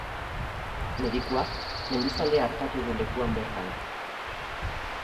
Medikuak mendizalea artatu du lekuan bertan.